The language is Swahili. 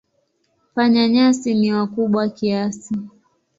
Panya-nyasi ni wakubwa kiasi.